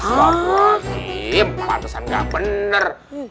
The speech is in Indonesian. aslamu'alaikum pantesan nggak benar